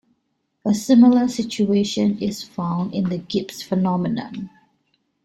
A similar situation is found in the Gibbs phenomenon.